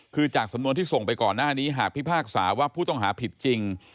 คือจากสำนวนที่ส่งไปก่อนหน้านี้หากพิพากษาว่าผู้ต้องหาผิดจริง